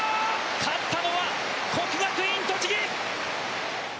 勝ったのは国学院栃木！